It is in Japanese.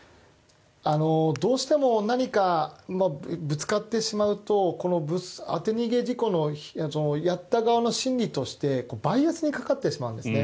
どうしても何か、ぶつかってしまうと当て逃げ事故のやった側の心理としてバイアスにかかってしまうんですね。